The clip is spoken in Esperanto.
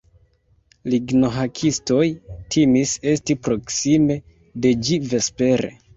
Lignohakistoj timis esti proksime de ĝi vespere.